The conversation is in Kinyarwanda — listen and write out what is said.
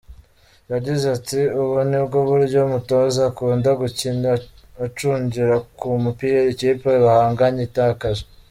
Yagize ati “Ubu nibwo buryo umutoza akunda gukina, acungira ku mipira ikipe bahanganye itakaje.